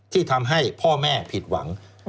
ที่ทำให้พ่อแม่ผิดหวัง